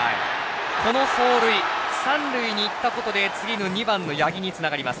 この走塁三塁にいったことで次の２番の八木につながります。